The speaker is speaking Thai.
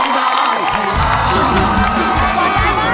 อยูโอ๊ย